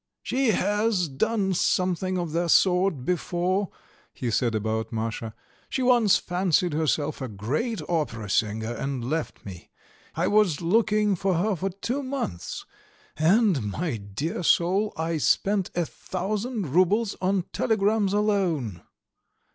"She has done something of the sort before," he said about Masha. "She once fancied herself a great opera singer and left me; I was looking for her for two months, and, my dear soul, I spent a thousand roubles on telegrams alone."